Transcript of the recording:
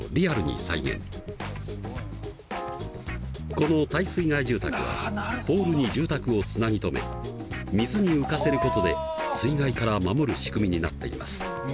この耐水害住宅はポールに住宅をつなぎ止め水に浮かせることで水害から守る仕組みになっています。